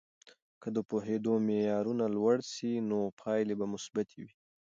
که د پوهیدو معیارونه لوړ سي، نو پایلې به مثبتې وي.